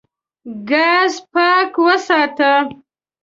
ګاز پاک وساته.